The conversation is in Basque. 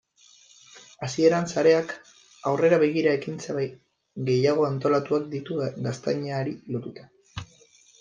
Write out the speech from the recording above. Hazien sareak aurrera begira ekintza gehiago antolatuak ditu gaztainari lotuta.